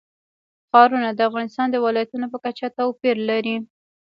ښارونه د افغانستان د ولایاتو په کچه توپیر لري.